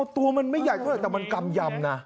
ตัวมันไม่ใหญ่เท่าไหร่แต่มันกำยำนะ